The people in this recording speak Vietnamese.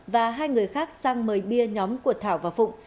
và hai người khác sang mời bia nhóm của thảo và phụng